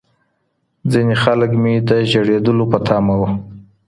ځيني خلک مې د ژړېدلو په تمه وو.